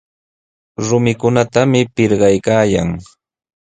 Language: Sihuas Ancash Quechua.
Rumikunatami pirqaykaayan.